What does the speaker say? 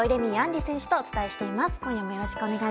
杏利選手とお伝えしていきます。